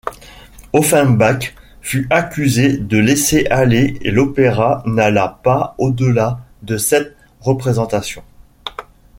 Offenbach fut accusé de laisser-aller et l’opéra n’alla pas au delà de sept représentations.